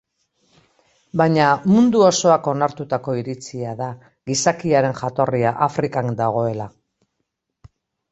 Baina, mundu osoak onartutako iritzia da, gizakiaren jatorria Afrikan dagoela.